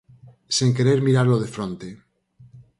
Sen querer miralo de fronte.